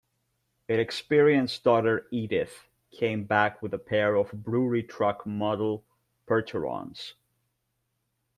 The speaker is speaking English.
Inexperienced Daughter Edith came back with a pair of brewery-truck-model Percherons.